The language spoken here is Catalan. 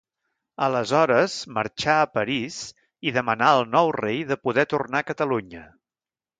Aleshores marxà a París i demanà al nou rei de poder tornar a Catalunya.